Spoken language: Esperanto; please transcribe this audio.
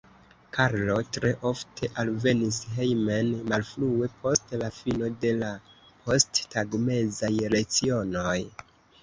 Karlo tre ofte alvenis hejmen malfrue post la fino de la posttagmezaj lecionoj.